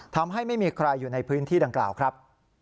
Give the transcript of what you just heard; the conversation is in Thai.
ทำให้ไม่มีใครอยู่ในพื้นที่ดังกล่าวครับ